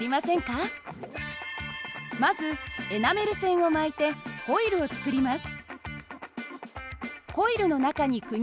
まずエナメル線を巻いてコイルを作ります。